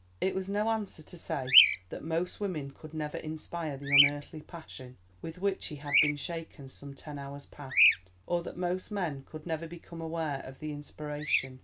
It was no answer to say that most women could never inspire the unearthly passion with which he had been shaken some ten hours past, or that most men could never become aware of the inspiration.